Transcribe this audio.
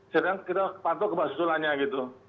sekarang kita pantul gempa susulannya gitu